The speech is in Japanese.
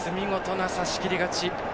見事な差しきり勝ち。